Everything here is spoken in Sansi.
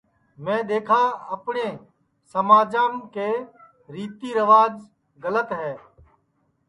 میں دؔیکھا اپٹؔے سماجم کہ ریتی ریواج مہارے گلت تیے